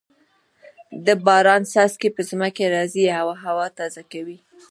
د باران څاڅکي په ځمکه راځې او هوا تازه کوي.